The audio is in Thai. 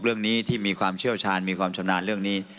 เรื่องนี้ที่มีความเชี่ยวชาญมีความชำนาญเรื่องนี้